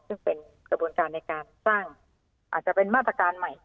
ซึ่งเป็นกระบวนการในการสร้างอาจจะเป็นมาตรการใหม่